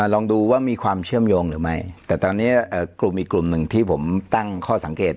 ลองดูว่ามีความเชื่อมโยงหรือไม่แต่ตอนนี้กลุ่มอีกกลุ่มหนึ่งที่ผมตั้งข้อสังเกต